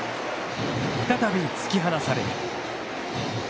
再び突き放される。